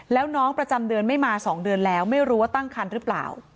แล้วน้องประจำเดือนไม่มา๒เดือนแล้วไม่รู้ว่าตั้งคันหรือเปล่า